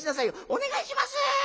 「お願いします」。